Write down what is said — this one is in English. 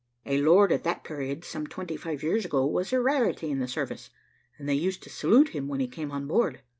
A lord at that period, some twenty five years ago, was a rarity in the service, and they used to salute him when he came on board.